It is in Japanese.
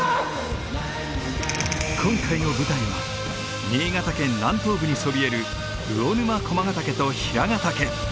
今回の舞台は新潟県南東部にそびえる魚沼駒ヶ岳と平ヶ岳。